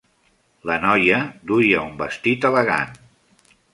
La noia duia un vestit elegant.